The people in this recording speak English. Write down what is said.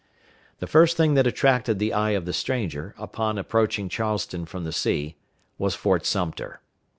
The first thing that attracted the eye of the stranger, upon approaching Charleston from the sea, was Fort Sumter.